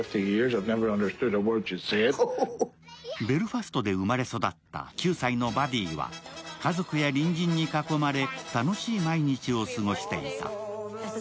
ベルファストで生まれ育った９歳のバディは家族や隣人に囲まれ楽しい毎日を過ごしていた。